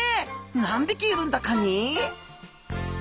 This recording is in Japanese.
何匹いるんだカニ？